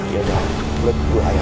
yaudah let gue ayo